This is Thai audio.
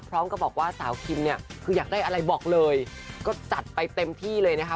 พร้อมกับบอกว่าสาวคิมเนี่ยคืออยากได้อะไรบอกเลยก็จัดไปเต็มที่เลยนะคะ